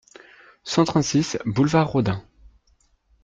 cent trente-six boulevard Rodin